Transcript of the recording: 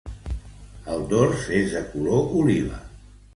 El dors és de color oliva.